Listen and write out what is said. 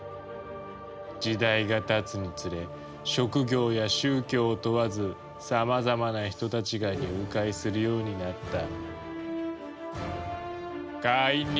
時代がたつにつれ職業や宗教を問わずさまざまな人たちが入会するようになった。